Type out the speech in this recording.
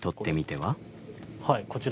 はいこちら。